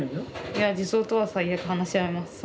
いや児相とは最悪話し合います